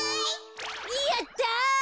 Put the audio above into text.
やった！